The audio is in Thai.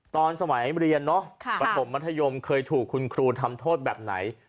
ตอนสมัยเรียนเนอะปฐมมัธยมเคยถูกคุณครูทำโทษแบบไหน